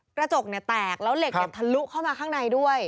กระจกเนี่ยแตกแล้วเหล็กทะลุเข้ามาข้างในด้วย